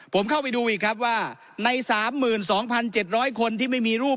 ผมเข้าไปดูอีกครับว่าในสามหมื่นสองพันเจ็ดร้อยคนที่ไม่มีรูป